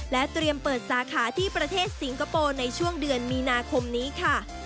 เตรียมเปิดสาขาที่ประเทศสิงคโปร์ในช่วงเดือนมีนาคมนี้ค่ะ